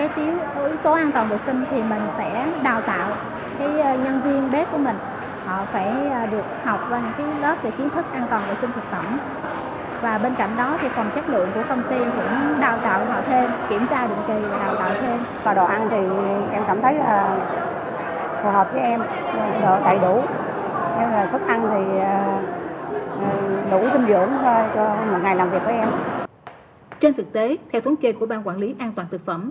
trên thực tế theo thống kê của ban quản lý an toàn thực phẩm